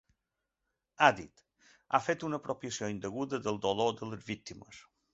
Ha dit: Ha fet una apropiació indeguda del dolor de les víctimes.